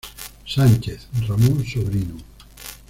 Sanchez, Ramon Sobrino.